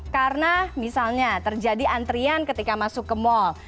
karena misalnya terjadi antrian ketika masuk ke mall